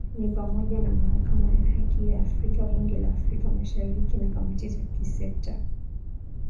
ni pamoja na Mahakama ya Haki ya Afrika Bunge la Afrika Mashariki na kamati za kisekta